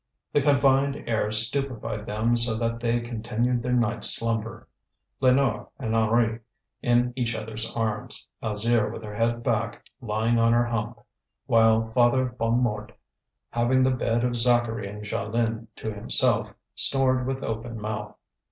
The confined air stupefied them so that they continued their night's slumber: Lénore and Henri in each other's arms, Alzire with her head back, lying on her hump; while Father Bonnemort, having the bed of Zacharie and Jeanlin to himself, snored with open mouth.